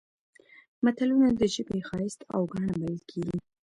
متلونه د ژبې ښایست او ګاڼه بلل کېږي